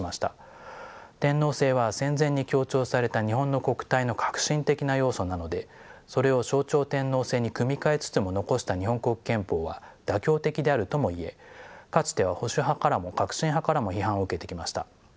天皇制は戦前に強調された日本の国体の核心的な要素なのでそれを象徴天皇制に組み替えつつも残した日本国憲法は妥協的であるともいえかつては保守派からも革新派からも批判を受けてきました。